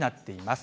す